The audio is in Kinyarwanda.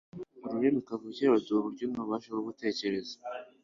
Ururimi kavukire ruduha uburyo n'ububasha bwo gutekereza,